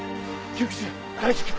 救急車大至急！